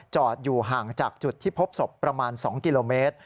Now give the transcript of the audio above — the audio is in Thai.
อยู่ห่างจากจุดที่พบศพประมาณ๒กิโลเมตร